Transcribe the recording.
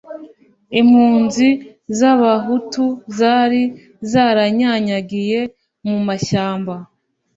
impunzi z'Abahutu zari zaranyanyagiye mu mashyamba